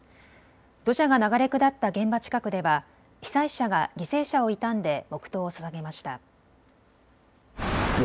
土砂が流れ下った現場近くでは被災者が犠牲者を悼んで黙とうをささげました。